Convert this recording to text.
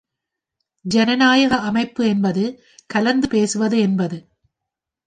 ஜனநாயக அமைப்பு என்பது கலந்து பேசுவது என்பது.